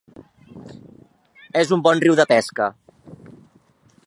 És un bon riu de pesca.